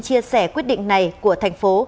chia sẻ quyết định này của thành phố